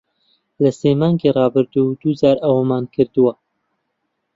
لە سێ مانگی ڕابردوو، دوو جار ئەوەمان کردووە.